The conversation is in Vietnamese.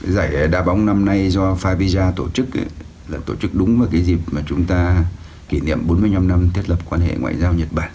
giải đá bóng năm nay do favija tổ chức tổ chức đúng vào cái dịp mà chúng ta kỷ niệm bốn mươi năm năm thiết lập quan hệ ngoại giao nhật bản